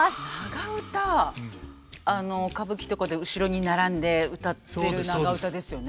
あの歌舞伎とかで後ろに並んでうたってる長唄ですよね。